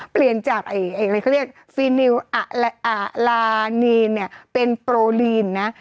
เปลี่ยนจากอะไรเขาเรียกฟีนิวลานีนเนี่ยเป็นโปรลีนนะ